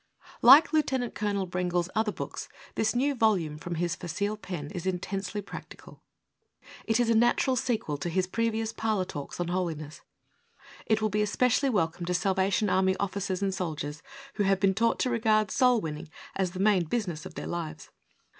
Like Lieut Colonel Brengle's other books, this new volume from his facile pen is intensely practical. It is a natural sequel to his previous parlor talks on holiness. It v^ill be especially welcome to Salvation Army officers and soldiers, who have been taught to regard soul winning as the main business of their lives.